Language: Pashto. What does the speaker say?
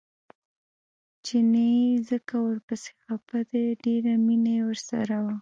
چیني ځکه ورپسې خپه دی ډېره یې مینه ورسره وه.